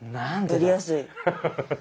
やりやすい。